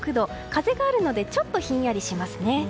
風があるのでちょっとひんやりしますね。